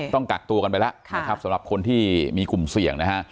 ต้องกักตัวกันไปแล้วนะครับสำหรับคนที่มีกลุ่มเสี่ยงนะฮะ